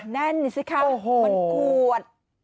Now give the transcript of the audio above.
นั่นสิคะมันขวด